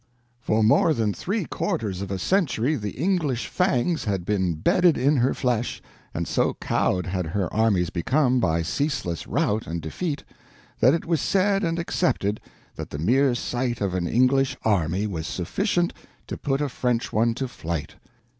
For more than three quarters of a century the English fangs had been bedded in her flesh, and so cowed had her armies become by ceaseless rout and defeat that it was said and accepted that the mere sight of an English army was sufficient to put a French one to flight.